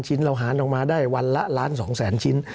สำหรับกำลังการผลิตหน้ากากอนามัย